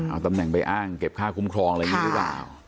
เอาตำแหน่งไปอ้างเก็บค่าคุ้มครองอะไรอย่างนี้หรือเปล่า